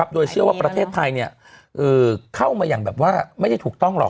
โดยเชื่อว่าประเทศไทยเข้ามาอย่างแบบว่าไม่ได้ถูกต้องหรอก